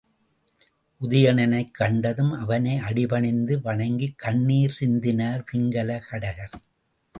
உதயணனைக் கண்டதும் அவனை அடிபணிந்து வணங்கிக் கண்ணிர் சிந்தினர் பிங்கல கடகர்.